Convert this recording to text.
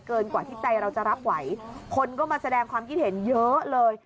กว่าที่ใจเราจะรับไหวคนก็มาแสดงความคิดเห็นเยอะเลย